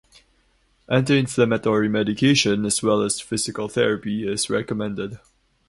Anti-inflammatory medication as well as physical therapy is recommended.